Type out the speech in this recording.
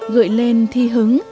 gợi lên thi hứng